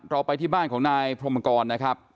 ไปที่บ้านของนายพรมกรนะครับ